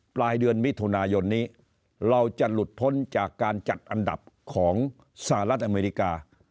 ปลายเดือนมิถุนายนนี้เราจะหลุดพ้นจากการจัดอันดับของสหรัฐอเมริกา